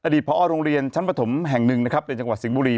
อดีตพอโรงเรียนชั้นปฐมแห่ง๑ในจังหวัดสิงห์บุรี